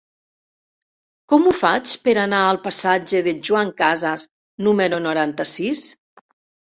Com ho faig per anar al passatge de Joan Casas número noranta-sis?